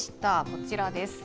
こちらです。